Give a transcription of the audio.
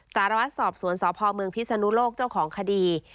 สารวัสด์สอบสวนสพพิษณุโลกเจ้าของคดี